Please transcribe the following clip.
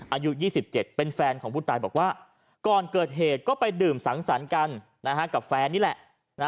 อายุ๒๗เป็นแฟนของผู้ตายบอกว่าก่อนเกิดเหตุก็ไปดื่มสังสรรค์กันกับแฟนนี่แหละ